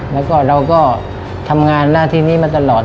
แล้วก็เราก็ทำงานหน้าที่นี้มาตลอด